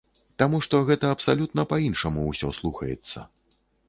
Таму што гэта абсалютна па-іншаму ўсё слухаецца.